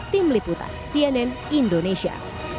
tim liputan cnn indonesia